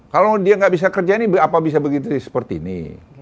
kalau dia nggak bisa kerja ini apa bisa begitu seperti ini